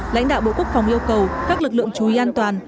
lãnh đạo bộ quốc phòng yêu cầu các lực lượng chú ý an toàn